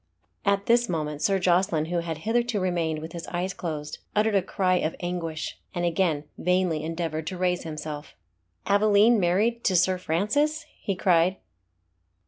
At this moment Sir Jocelyn, who had hitherto remained with his eyes closed, uttered a cry of anguish, and again vainly endeavoured to raise himself. "Aveline married to Sir Francis?" he cried.